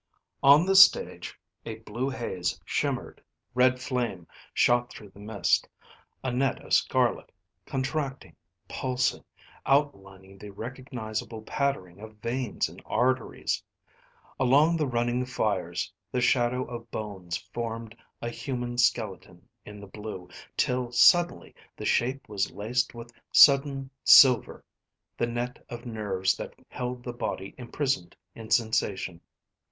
On the stage a blue haze shimmered. Red flame shot through the mist, a net of scarlet, contracting, pulsing, outlining the recognizable patterning of veins and arteries. Among the running fires, the shadow of bones formed a human skeleton in the blue, till suddenly the shape was laced with sudden silver, the net of nerves that held the body imprisoned in sensation.